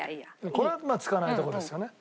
これ使わないところですよね。